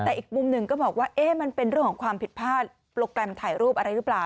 แต่อีกมุมหนึ่งก็บอกว่ามันเป็นเรื่องของความผิดพลาดโปรแกรมถ่ายรูปอะไรหรือเปล่า